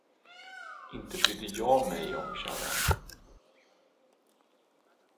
Inte brydde jag mig om kärran.